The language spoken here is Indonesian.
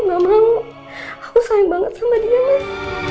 nggak mau aku sayang banget sama dia mas